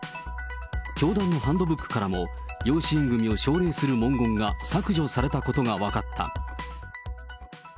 教団のハンドブックからも養子縁組を奨励する文言が削除されたことが分かった。